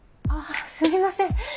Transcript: あっすみません